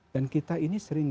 dan kita ini sepertinya